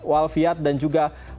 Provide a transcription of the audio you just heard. wal fiat dan juga